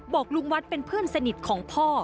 บอกลุงวัดเป็นเพื่อนสนิทของพ่อ